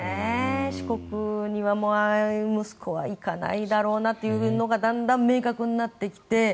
四国には息子は行かないだろうなというのがだんだん明確になってきて。